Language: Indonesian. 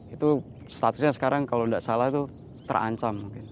itu statusnya sekarang kalau tidak salah itu terancam